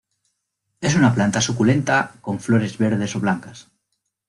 Es una planta suculenta con flores verdes o blancas.